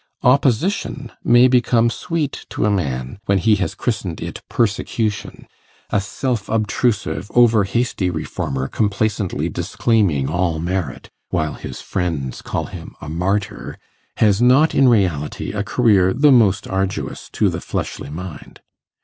Opposition may become sweet to a man when he has christened it persecution: a self obtrusive, over hasty reformer complacently disclaiming all merit, while his friends call him a martyr, has not in reality a career the most arduous to the fleshly mind.